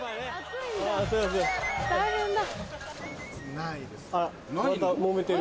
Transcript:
・ないですね・